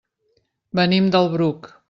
Venim del Bruc.